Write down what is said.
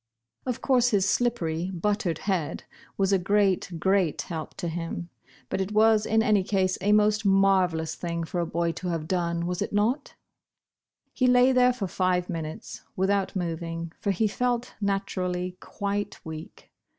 26 Bosh Bosh Oil Of course, his slippery, buttered head was a great, great help to him, but it was in any case a most marvellous thing for a boy to have done, was it not ? He lay there for five minutes, without moving, for he felt, naturally, quite weak.